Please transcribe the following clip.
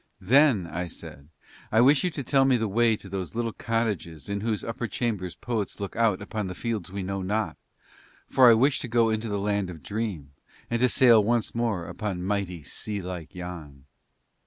"Then," I said, "I wish you to tell me the way to those little cottages in whose upper chambers poets look out upon the fields we know not, for I wish to go into the Land of Dream and to sail once more upon mighty, sea like Yann."